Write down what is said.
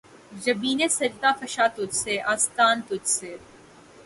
جبینِ سجدہ فشاں تجھ سے‘ آستاں تجھ سے